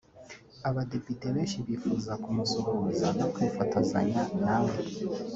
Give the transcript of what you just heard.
abadepite benshi bifuza kumusuhuza no kwifotozanya nawe